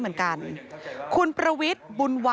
มันมีโอกาสเกิดอุบัติเหตุได้นะครับ